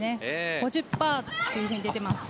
５０％と出ています。